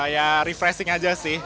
ya refreshing aja sih